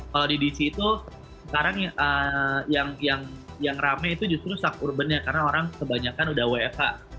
kalau di dc itu sekarang yang rame itu justru sub urbannya karena orang kebanyakan udah wfh